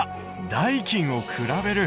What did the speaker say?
「代金を比べる」。